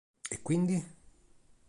E quindi?